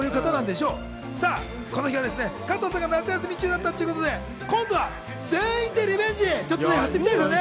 この日は加藤さんが夏休み中だったので今度は全員でリベンジ、やってみたいですね。